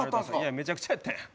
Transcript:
めちゃくちゃやったんや。